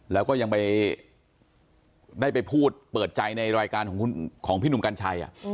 แล้วก็ยังไปได้ไปพูดเปิดใจในรายการของพี่หนุ่มกัญชัย